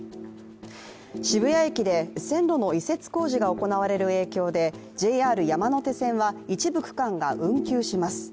渋谷駅で線路の移設工事が行われる影響でＪＲ山手線は、一部区間が運休します。